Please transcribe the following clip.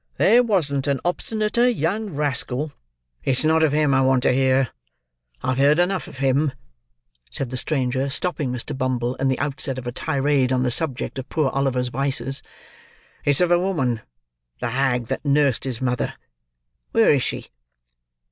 There wasn't a obstinater young rascal—" "It's not of him I want to hear; I've heard enough of him," said the stranger, stopping Mr. Bumble in the outset of a tirade on the subject of poor Oliver's vices. "It's of a woman; the hag that nursed his mother. Where is she?"